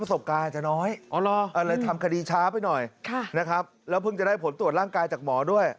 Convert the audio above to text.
สบการณ์อาจจะน้อยเลยทำคดีช้าไปหน่อยนะครับแล้วเพิ่งจะได้ผลตรวจร่างกายจากหมอด้วย